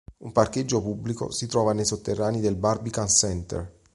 Un parcheggio pubblico si trova nei sotterranei del Barbican Centre.